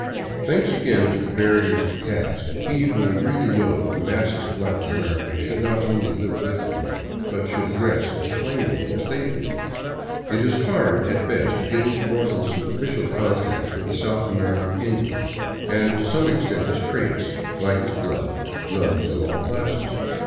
Thanks again to the barriers of caste, he who would really know the masses of Latin America should not only live with them, but should dress as plainly as they do. It is hard at best to get into more than superficial contact with the South American Indian, and to some ex tent his traits, like his blood, run through all classes.